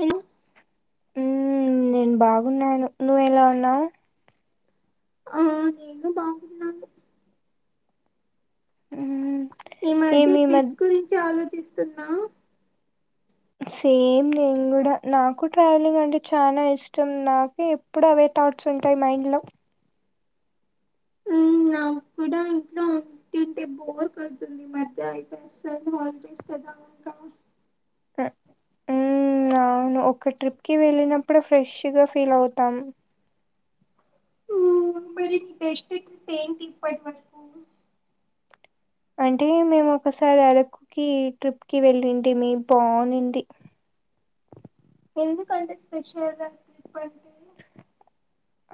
Hello ఉ నేను బాగున్నాను నువ్వు ఏలా ఉన్నావ్ ఆ నేను బాగున్నాను ఉహు ఈ మధ్య ట్రిప్స్ గురించి ఆలోచిస్తున్నా సేమ్ నేను కూడా నాకు ట్రావెలింగ్ అంటే చానా ఇష్టం నాకు ఎప్పుడు అవే థాట్స్ ఉంటాయి మైండ్ లో ఊ నాకు కూడా ఇంట్లో ఉంటుంటే బోర్ కోడుతుంది ఈ మధ్య అయిపో అసలు హాలిడేస్ కదా నాకా కా ఊ ఉమ్ అవునా ఒక ట్రిప్ కి వెళ్ళినప్పుడే ఫ్రెష్గా ఫీల్ అవుతాం ఊ మరి నీ బెస్ట్ అట్ పెయింట్ ఇప్పటి వరకు అంటే మేము ఒకసారి అరకుకి ట్రిప్కి వెళ్ళింటిమీ బాగుంది ఎందుకంటే స్పెషల్ ఆ ట్రిప్ అంటే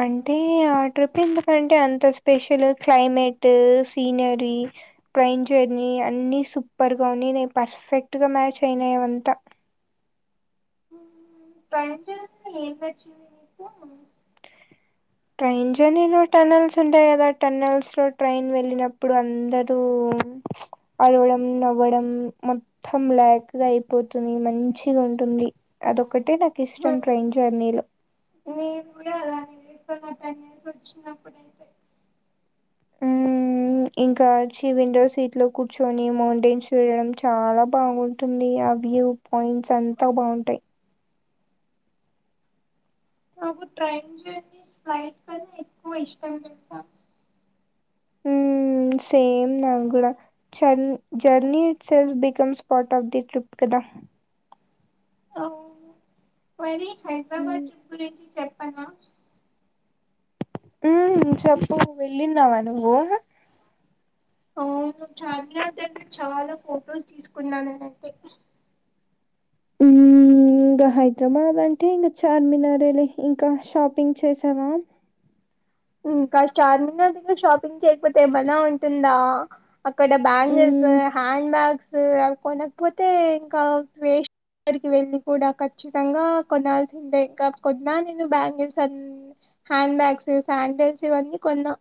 అంటే ఆ ట్రిప్ ఎందుకంటే అంత special climate scenery train journey అన్ని సూపర్ గా ఉన్నిన్నాయి పర్ఫెక్ట్ గా మ్యాచ్ అయినాయ్ అదంతా ఉ ట్రైన్ జర్నీ ఏమి నచ్చింది నీకు ట్రైన్ జర్నీలో టనల్స్ ఉంటాయి కదా టనల్స్ లో ట్రైన్ వెళ్ళినప్పుడు అందరు అరవడం నవ్వడం మొత్తం బ్లాక్ గా అయిపోతుంది మంచిగా ఉ ఉంటుంది అదొక్కటే నాకు ఇష్టం ట్రైన్ జర్నీలో టనల్స్ వచ్చినప్పుడు అయితే మ్మ్ ఇంకా వచ్చి విండో సీట్ లో కూర్చొని మౌంటైన్ చూడడం చాలా బాగుంటుంది వ్యూ పాయింట్స్ అంతా బాగుంటాయి నాకు ట్రైన్ జర్నీ ఫ్లైట్ కన్నా ఎక్కువ ఇష్టం తెలుసా [unintelligible] ఊ సేమ్ నాకు కూడా చ journey self becomes స్పట్ of the trip కదా ఓ మరి హైదరాబాద్ ట్రిప్ గురించి చెప్పనా ఉ చెప్పు వెళ్ళినావా నువ్వు అవును చార్మినార్ దగ్గర చాలా ఫొటోస్ తీసుకున్నా నేను అయితే ఇంకా హైదరాబాద్ అంటే ఇంకా చార్మినార్ లే ఇంకా షాపింగ్ చేసావా ఇంకా చార్మినార్ దగ్గర షాపింగ్ చేయకపోతే ఏమైనా ఉంటుందా అక్కడ బ్యాండెస్ హ్మ్. హ్యాండ్ బ్యాగ్స్ అవి కొనకపోతే ఇంకా వే అక్కడికి వెళ్ళి కూడా ఖచ్చితంగా కొనాల్సిందే, ఇంకా కొన్నా నేను బ్యాంగిల్స్ అ హ్యాండ్ బ్యాగ్స్ షాడిల్స్ అన్నీ కొన్నా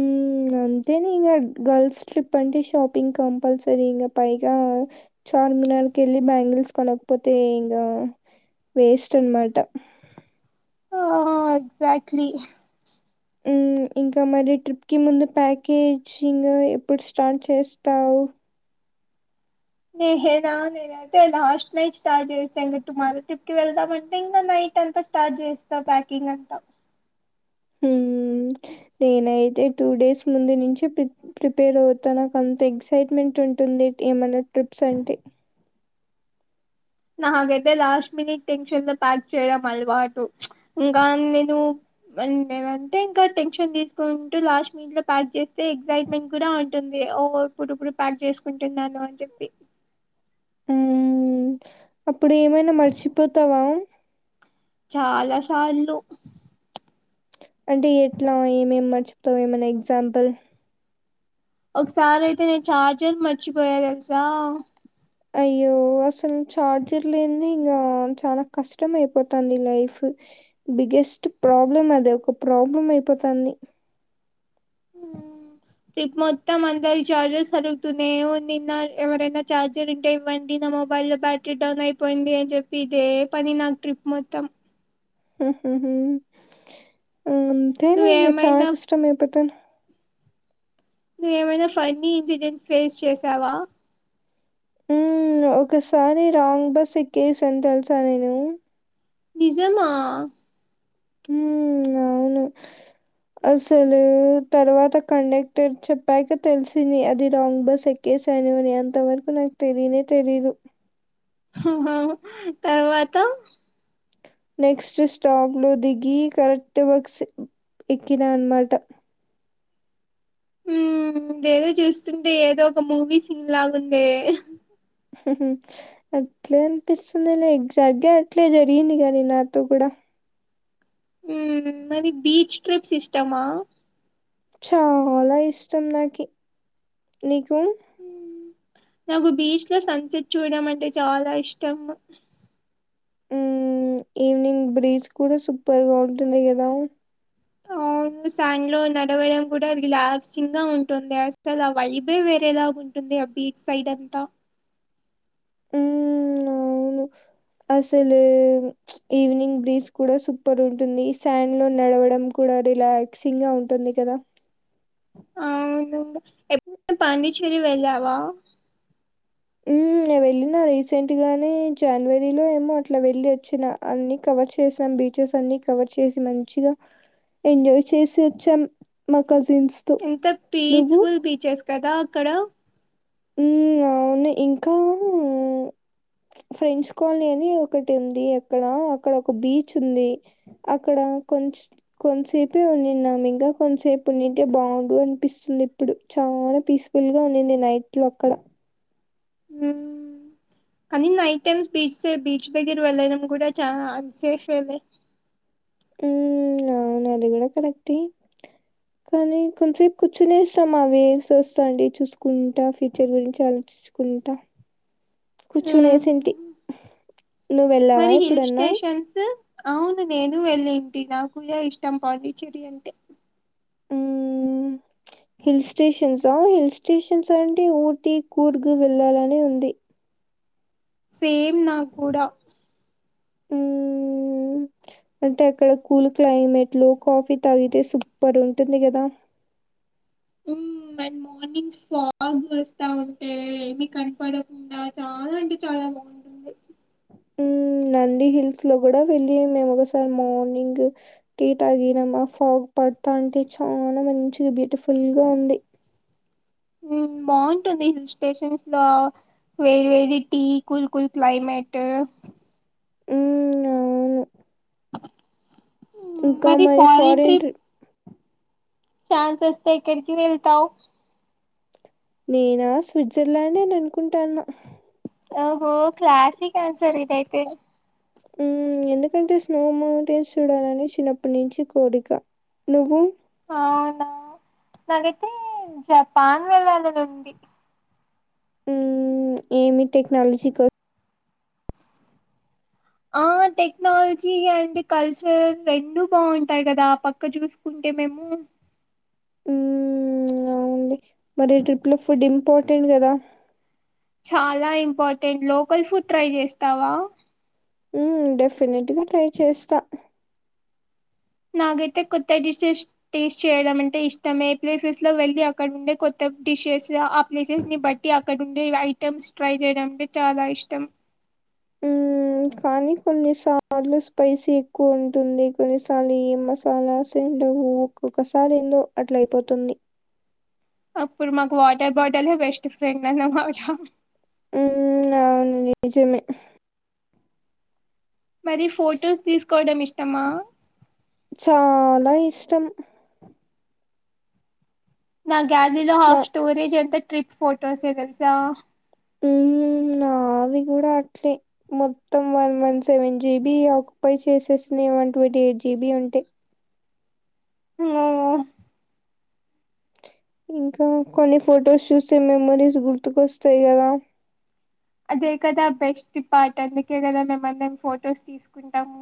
ఉ అంతే ఇ గర్ల్స్ ట్రిప్ అంటే షాపింగ్ కంపల్సరీ ఇంకా పైగా చార్ ఇ నాకి వెళ్లి బ్యాంగిల్స్ కొనకపోతే ఇంకా వేస్ట్ అన్ మాట ఆ ఎక్సాక్ట్లీ హ్మ్. ఇంకా మరి ట్రిప్కి ముందు ప్యాకేజింగ్ ఎప్పుడు స్టార్ట్ చేస్తావు నహేనా నేను అయితే లాస్ట్ నైట్ స్టార్ట్ చేస్తాంటు మారో ట్రిప్ కి వెళ్దామ అంటే ఇంకా నై న అంతా స్టార్ట్ చేస్తా ప్యాకింగ్ అంతా నేనయితే టూ డేస్ ముందు నుంచి ప్రిపేర్ అవుతా నాకు అంత ఎక్సైట్మెంట్ ఉ ఉంటుంది ఏమైనా ట్రిప్స్ అంటే అ నాగైతే లాస్ట్ మినిట్ టెన్షన్ లో ప్యాక్ చేయడం అలవాటు ఇంకా నేను ఉండేవ అంటే ఇంకా టెన్షన్ తీసుకుంటూ లాస్ట్ మీట్ లో ప్యాక్ చేస్తే ఎగ్సైట్మెంట్ కూడా ఉంటుంది ఓ ఇప్పుడుప్పుడు ప్యాక్ చేసుకుంటున్నాను అని చెప్పి ఉ అప్పుడు ఏమైనా మర్చిపోతావా చాలా సార్లు అంటే ఎట్లా ఏమేమి మర్చితావేమన్న ఎగ్జాంపుల్ ఒకసారి అయితే నేను చార్జర్ మర్చిపోయా తెలుసా అయ్యో అసలు చార్జర్ లేద ఇంకా చాలా కష్టం అయిపోతుంది లైఫ్ బిగ్గెస్ట్ ప్రాబ్లం అదే ఒక ప్రాబ్లం అయిపోతంది ఉమ్ ట్రిప్ మొత్తం అంతారి చార్జర్స్ అడుగుతూనే ఉన్న ఎవరనా చార్జర్ ఉంటె ఇవ్వండి నా మొబైల్ లో బ్యాటరీ డౌన్ అయిపోయింది అని చెప్పి ఇదే పని నాకు ట్రిప్ మొత్తం [unintelligible] అంతేనే చానా నువ్వేమైనా ఇష్టం ఏపోతేను నువ్వేమైనా ఫన్నీ ఇన్సిడెంట్స్ ఫేస్ చేసావా ఒకసారి రాంగ్ బస్ ఎక్కేసని తెలుసా నేను నిజమా హ్మ్ అవును అసలు తర్వాత కండక్టర్ చెప్పాక తెలిసంది అది రాంగ్ బస్ ఎకి చేశాను అని అంత వరకు నాకు తెలియనే తెలీదు తర్వాత నెక్స్ట్ స్టాప్ లో దిగి కరెక్ట్ బక్ ఎకినా అన మాట ఉ ఇదేదో చూస్తుంటే ఏదో ఒక మూవీ సిన్ లాగు ఉండే అట్లే అనిపిస్తుంది ఎగ్జాగే అట్లే జరిగింది కాగాని నాతో కూడా మరి బీచ్ ట్రిప్స్ ఇష్టమా చాలా ఇష్టం నాకి నీకు నాకు బీచ్ లో సన్సెట్ చూడం అంటే చాలా ఇష్టం ఉ ఈవినింగ్ బ్రీజ్ కూడా సూపర్గా ఉంటుంది, కదా అ న్ లో నడవడం కూడా రిలాక్సింగ్ గా ఉంటుంది అస్సలు ఆ వైబే వేరేలాగా ఉంటుంది బీచ్ సైడ్ అంత మ్మ్, [unintelligible] అసలు ఈవినింగ్ బ్రీజ్ కూడా సూపర్ ఉంటుంది ఈ శాండ్ లో నడవడం కూడా రిలాక్సింగ్ గా ఉంటుంది కదా అవును ఎప్పు పాడిచ్చేరి వెళ్ళవా హ్మ్మ్ నేనేళ్ళిన రీసెంట్ గానే జనవరిలో ఏమో అట్లా వెళ్ళి వచ్చినా అన్ని కవర్ చేశాను బీచెస్ అన్ని కవర్ చేసి మంచి గా ఎంజాయ్ చేసి వచ్చాం మాకు ఎంత పీస్ఫుల్ బీచెస్ కదా అక్కడ హ్మ్మ్ అవును ఇంకా ఫ్రెంచ్ కాలనీ అని ఒకటి ఉంది అక్కడ అక్కడ ఒక బీచ్ ఉంది అక్కడ కొ కొం సేపు ఉన్నినం ఇంకా కొంతసేపు ఉండింటే బాగుండు అనిపిస్తుంది ఇప్పుడు చ చాలా పీస్ఫుల్ గా ఉండినిది నైట్ లో అక్కడ హ్మ్మ్ కానీ నైట్ టైమ్స్ బీచ్ బీచ్ దగ్గర వెళ్ళనం కూడా చాలా అన్సేఫ్ లే హ్మ్మ్ అవును అది కూడా కరెక్టే కానీ కొంసేపు కూర్చునేసి ఏంచేస్తాం అండి చూసుకుంటా ఫ్యూచర్ గురించి ఆలో చూసుకుంటా కూర్చొనేసి మరి హిల్ స్టేషన్స్ అవును నేను వేళ్ళింటి నాకు కూడా ఇష్టం పాండిచ్చేరి అంటే ఉమ్ హిల్ స్టేషన్సా హిల్ స్టేషన్స్ అంటే ఊటి కూర్గు వెళ్ళాలని ఉంది సేమ్ నాకు కూడా హ్మ్మ్ అంటే అక్కడ కూల్ క్లైమేట్ లో కాఫీ తాగితే సూప్పర్ ఉంటుంది కదా హ్మ్మ్ బై మార్నింగ్ ఫాగ్ వస్తా ఉంటే ఏమి కనపడకుండా చాలా అంటే చాలా బాగుంటుంది. మ్మ్ నంది హిల్స్ లో కూడా వెళ్ళి ఉండే మేము ఒకసారి మార్నింగ్ టీ తాగి [unintelligible] ఆ ఫాగ్ మొత్తానికి చాలా మంచిగా బ్యూటిఫుల్ గా ఉంది హ్మ్మ్ బాగుంటుంది హిల్ స్టేషన్స్ లో వేడి వేడి టీ కూల్ కూల్ క్లైమేట్. ట్ హ్మ్మ్ అవును హ్మ్. ఇంకా మరి ఫారిన్ ఫారెన్ ట్రిప్ ట్రి ఛాన్స్ వస్తే ఎక్కడికి వెళ్తావ్ నేనా స్విట్జర్లాండ్ అని అనుకుంటాన్న ఓహో క్లాసిక్ ఆన్సర్ ఇదయితే మ్మ్ ఎందుకంటే స్నో మౌంటైన్స్ చూడాలని చిన్నప్పటి నుంచి కోరిక నువ్వు అవునా నాకైతే జపాన్ వెళ్ళాలని ఉంది హ్మ్మ్ ఏమి టెక్నాలజీ కో ఆ టెక్నాలజీ ఆండ్ కల్చర్ రెండు బాగుంటాయి కదా ఆ పక్క చూసుకుంటు మేము మ్మ్ మరి ట్రిప్ లో ఫుడ్ ఇంపార్టెంట్ కదా చాలా ఇంపార్టెంట్ లోకల్ ఫుడ్ ట్రై చేస్తావా హ్మ్మ్ డెఫినెట్గా ట్రై చేస్తా నాకైతే కొత్త డిషెస్ టేస్ట్ చేయడం అంటే ఇష్టమే ప్లేసెస్ లో వెళ్ళి అక్కడ ఉండే కొత్త డిషెస్ ఆ ప్లేసెస్ ని బట్టి అక్కడ ఉండే ఐటమ్స్ ట్రై చేయడం అంటే చాలా ఇష్టం. హ్మ్ కానీ కొన్నిసార్లు స్పైసీ ఎక్కువ ఉంటుంది కొన్నిసార్లు ఈ మసాలాస్ ఒక్కొక్కసారి ఏందో అట్ల అయిపోతుంది అప్పుడు మాకు వాటర్ బాటిల్ బెస్ట్ ఫ్రెండ్ అన్నమాట హ్మ్మ్ అవును నిజమే మరి ఫొటోస్ తీసుకోవడం ఇష్టమా చాలా ఇష్టం నా గ్యాలరీలో నా హాఫ్ స్టోరేజ్ ఎంత ట్రిక్ ఫోటోసే తెల్సా హ్మ్ నావి కూడా అట్లే మొత్తం one one seven GB occupy చేసేసిన ఏమం అవి ఎయిట్ జీబి ఉంటే మో ఇంకా కొన్ని ఫొటోస్ చూస్తే మెమరీస్ గుర్తుకొస్తాయి కదా అదే కదా బెస్ట్ పార్ట్ అందుకే కదా మేమందరం ఫొటోస్ తీసుకుంటాము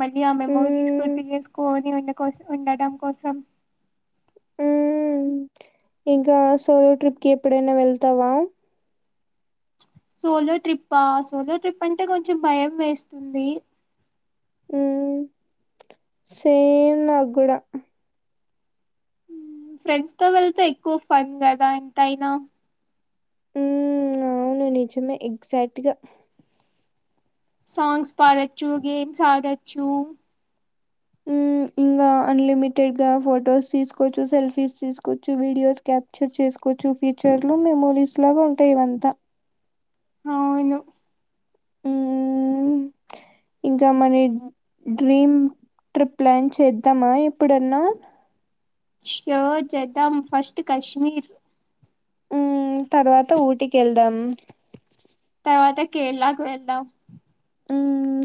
మళ్ళీ ఆ మెమోరీస్ హ్మ్ గుర్తు చేసుకోని ఉండ కోస ఉండడం కోసం హు ఇంకా సోయో ట్రిప్ కి ఎప్పుడైనా వెళ్తావా సోలో ట్రిప్ప సోలో ట్రిప్ అంటే కొంచెం భయం వేస్తుంది ఉ సేమ్ నాగుడా ఫ్రెండ్స్ తో వెళ్తే ఎక్కువ ఫన్ కదా ఎంతయినా ఉ అవును నిజమే ఎగ్జాక్ట్గా సాంగ్స్ పాడచ్చు గేమ్స్ ఆడచ్చు గా అన్లిమిటెడ్ గా ఫొటోస్ తీసుకోవచ్చు సెల్ఫీస్ తీసుకోవచ్చు వీడియోస్ క్యాప్చర్ చేసుకోవచ్చు ఫ్యూచర్లో మెమోరీస్ లాగా ఉంటాయి ఇవంతా అవును హ్మ్. ఇంకా మన డ్రీమ్ ట్రిప్ ప్లాన్ చేద్దామా ఏప్పుడన్నా ష్యూర్ చేద్దాం ఫస్ట్ కశ్మీర్ ఉ తర్వాత ఊటికెళ్దాం తర్వాత కేరళకు వెళ్దాం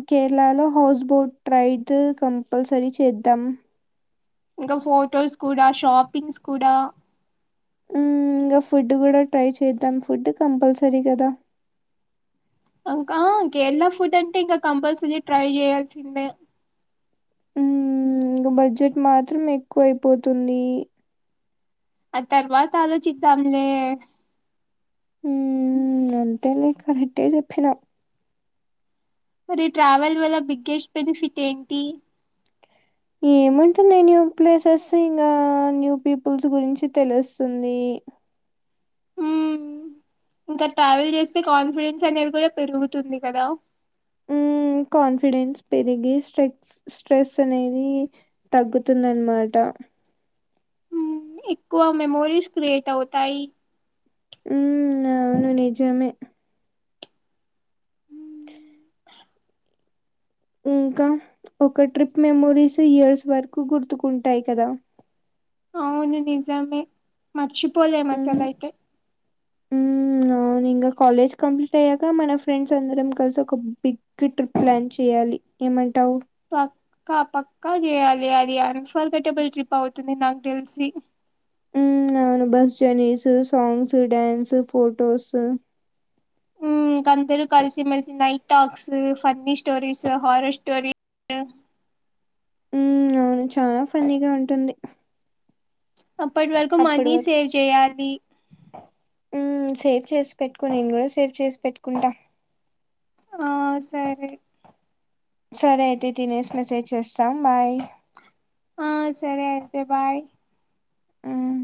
కేరళలో హౌస్ బోట్ రైడ్ కంపల్సరీ చేద్దాం ఇంకా ఫొటోస్ కూడా షాపింగ్స్ కూడా హ్మ్ ఇంగ ఫుడ్ కూడా ట్రై చేద్దాం ఫుడ్ కంపల్సరీ కదా ఇంకా కేరళ ఫుడ్ అంటే ఇంకా కంపల్సరీ ట్రై చేయాల్సిందే ఉ ఇంగ బడ్జెట్ మాత్రం ఎక్కువ అయిపోతుంది ఆద్ తర్వాత ఆలోచిద్దాంలే ఉ అంతే లే కరెక్టే చెప్పినవ్ మరి ట్రావెల్ వల్ బిగ్గెస్ట్ బెనిఫిట్ ఏంటి ఏమంటుంది న్యూ ప్లేసెస్ ఇంకా న్యూ పీపుల్స్ గురించి తెలుస్తుంది హ్మ్ ఇంకా ట్రావెల్ చేస్తే కాన్ఫిడెన్స్ అనేది కూడా పెరుగుతుంది కదా హ్మ్. కాన్ఫిడెన్స్ పెరిగి స్ట్రె స్ట్రెస్ అనేది తగ్గుతుంది అనమాట మ్మ్. ఎక్కువ మెమోరీస్ క్రియట్ అవుతాయి ఉ అవును నిజమే మ్మ్. ఇంకా ఒక ట్రిప్ మెమోరీస్ ఇయర్స్ వరకు గుర్తుకుంటాయి కదా అవును నిజమే మర్చిపోలేం హ్మ్. అసలైతే హ్మ్ అవును ఇంగ కాలేజ్ కంప్లీట్ అయ్యాక మన ఫ్రెండ్స్ అందరం కలిసి ఒక బిగ్ ట్రిప్ ప్లాన్ చేయాలి ఏమంటావు పక్కా పక్కా చేయాలి అది అన్ ఫర్గటబుల్ ట్రిప్ అవుతుంది నాకు తెలిసి ఉ అవును bus journeys songs dance photos కా అందరు కలిసిమెలిసి night talks funny stories horror stories ఉ అవును చాలా ఫన్నీగా ఉంటుంది అప్పటి వరకు అప్పటి మనీ వరకు సేవ్ చేయాలి సేవ్ చేసి పెట్టుకో నేను కూడా సేవ్ చేసి పెట్టుకుంటా ఆ సరే సరే అయితే తినేసి మెసేజ్ చేస్తా బాయ్ ఆ సరే అయితే బాయ్ హ్మ్